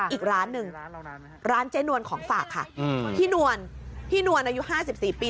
อีกร้านหนึ่งร้านเจ๊นวนของฝากค่ะพี่นวนพี่นวนอายุห้าสิบสี่ปี